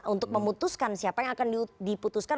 untuk memutuskan siapa yang akan diputuskan